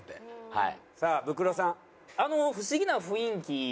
はい。